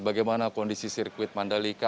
bagaimana kondisi sirkuit mandalika